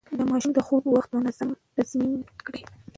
د ماشوم د خوب وخت منظم تنظيم کړئ.